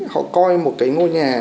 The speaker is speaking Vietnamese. họ coi một cái ngôi nhà